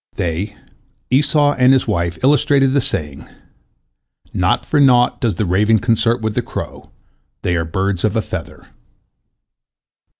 They, Esau and his wife, illustrated the saying, "Not for naught does the raven consort with the crow; they are birds of a feather."